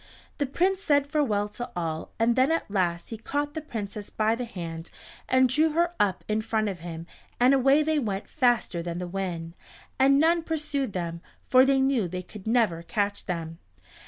The Prince said farewell to all and then at the last he caught the Princess by the hand and drew her up in front of him, and away they went faster than the wind, and none pursed them, for they knew they could never catch them.